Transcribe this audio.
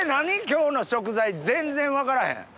今日の食材全然分からへん。